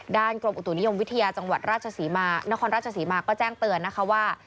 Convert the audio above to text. กรมอุตุนิยมวิทยาจังหวัดราชนครราชศรีมาก็แจ้งเตือนนะคะว่า